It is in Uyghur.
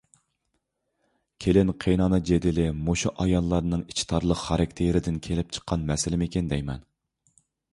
كېلىن-قېيىنئانا جېدىلى مۇشۇ ئاياللارنىڭ ئىچى تارلىق خاراكتېرىدىن كېلىپ چىققان مەسىلىمىكىن دەيمەن.